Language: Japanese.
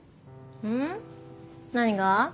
うん？何が？